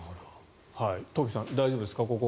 トンフィさん大丈夫ですか？